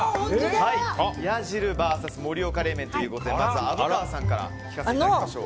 冷や汁ＶＳ盛岡冷麺ということでまずは虻川さんから聞かせていただきましょう。